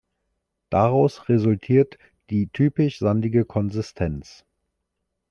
Daraus resultiert die typisch sandige Konsistenz.